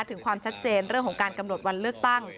ถึงความชัดเจนเรื่องของการกำหนดวันเลือกตั้ง